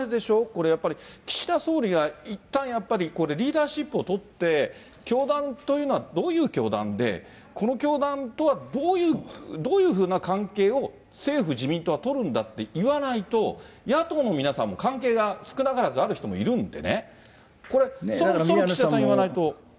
これ、やっぱり、岸田総理がいったん、やっぱりこれ、リーダーシップをとって、教団というのは、どういう教団で、この教団とは、どういうふうな関係を、政府・自民党は取るんだと言わないと、野党の皆さんも関係が少なからずある人もいるんでね、これ、そろそろ岸田さんも言わないと。